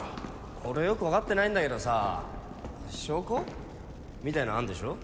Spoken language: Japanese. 俺よく分かってないんだけどさ証拠？みたいのあんでしょ？